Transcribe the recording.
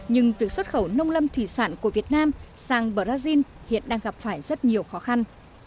nhưng việc xuất khẩu nông lâm thủy sản của việt nam sang brazil hiện đang gặp phải rất nhiều khó khăn